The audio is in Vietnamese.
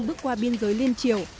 bước qua biên giới liên triều